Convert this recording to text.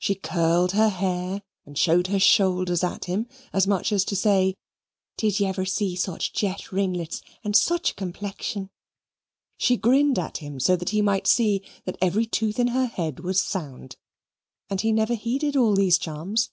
She curled her hair and showed her shoulders at him, as much as to say, did ye ever see such jet ringlets and such a complexion? She grinned at him so that he might see that every tooth in her head was sound and he never heeded all these charms.